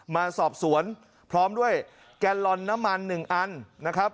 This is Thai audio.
มาสอบสวนพร้อมด้วยแกลลอนน้ำมัน๑อันนะครับ